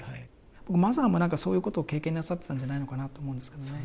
僕マザーも何かそういうことを経験なさってたんじゃないのかなと思うんですけどね。